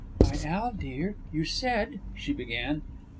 "Why, Al, dear, you said " she began.